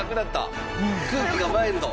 空気がマイルド？